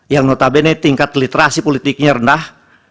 yang notabene tingkat literasi politiknya rendah